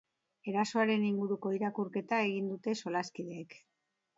Erasoaren inguruko irakurketa egin dute solaskideek.